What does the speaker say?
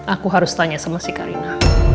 aku harus tanya sama si karina